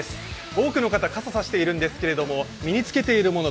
多くの方、傘差しているんですけど身につけているもの